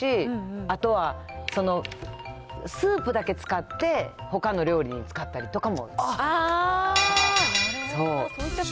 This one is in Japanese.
あとは、スープだけ使ってほかの料理に使ったりとかも。